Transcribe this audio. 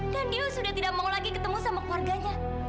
dan dia sudah tidak mau lagi ketemu sama keluarganya